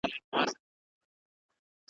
په هغه ورځ د قیامت په ننداره سي ,